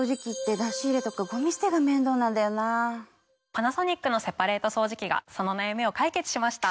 パナソニックのセパレート掃除機がその悩みを解決しました。